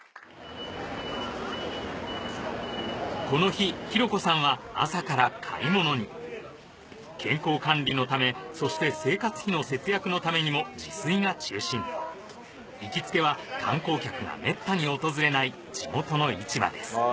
この日紘子さんは朝から買い物に健康管理のためそして生活費の節約のためにも自炊が中心行きつけは観光客が滅多に訪れない地元の市場です